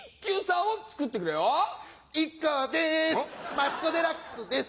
マツコ・デラックスです。